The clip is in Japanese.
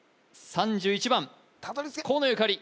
３１番河野ゆかり